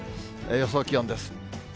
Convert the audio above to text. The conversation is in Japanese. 予想気温です。